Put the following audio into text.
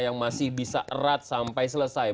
yang masih bisa erat sampai selesai